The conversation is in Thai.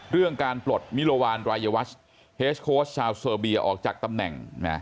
เรื่องการปลดมิลวานรายวัชเฮสโค้ชชาวเซอร์เบียออกจากตำแหน่ง